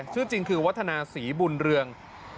ชื่อจริงคือวัฒนาศรีบุญเรือง